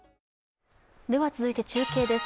続いて中継です。